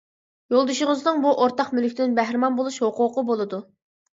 يولدىشىڭىزنىڭ بۇ ئورتاق مۈلۈكتىن بەھرىمەن بولۇش ھوقۇقى بولىدۇ.